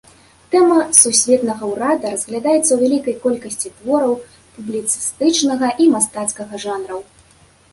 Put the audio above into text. Тэма сусветнага ўрада разглядаецца ў вялікай колькасці твораў публіцыстычнага і мастацкага жанраў.